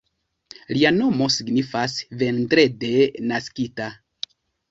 Lia nomo signifas "vendrede naskita.